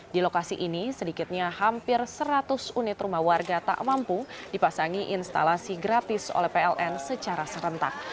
di lokasi ini sedikitnya hampir seratus unit rumah warga tak mampu dipasangi instalasi gratis oleh pln secara serentak